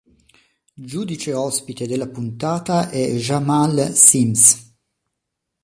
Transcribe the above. Giudice ospite della puntata è Jamal Sims.